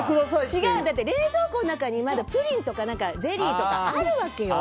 違うよ、だって冷蔵庫の中にまだプリンとかゼリーとかあるわけよ。